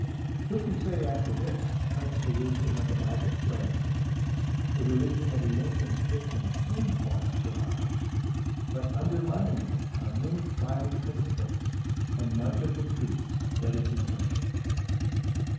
Who can say after this whence the wisdom of the Bible sprang ? The religion of the ancient Egyptians seems false to our eyes, but underlying it are many fine principles, and much of the truth that is eternal.